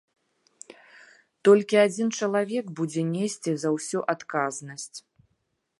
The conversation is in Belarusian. Толькі адзін чалавек будзе несці за ўсё адказнасць.